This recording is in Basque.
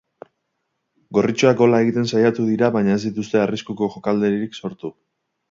Gorritxoak gola egiten saiatu dira, baina ez dituzte arriskuko jokaldirik sortu.